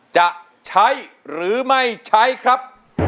จะใช้หรือไม่ใช้ครับ